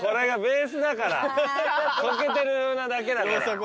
溶けてるふうなだけだから。